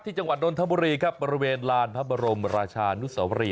จังหวัดนทบุรีครับบริเวณลานพระบรมราชานุสวรี